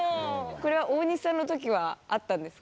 これは大西さんの時はあったんですか？